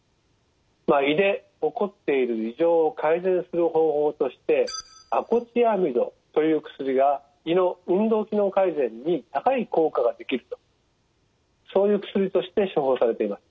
胃で起こっている異常を改善する方法としてアコチアミドという薬が胃の運動機能改善に高い効果ができるとそういう薬として処方されています。